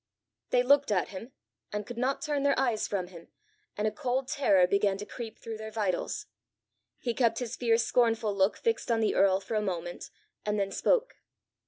They looked at him, and could not turn their eyes from him, and a cold terror began to creep through their vitals. He kept his fierce scornful look fixed on the earl for a moment, and then spoke.